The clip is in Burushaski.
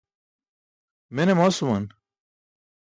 Mene masuman?